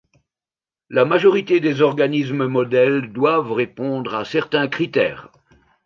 La majorité des organismes modèles doivent répondre à certains critères.